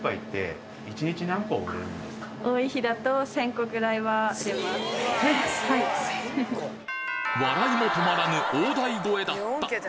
ここで笑いも止まらぬ大台越えだった！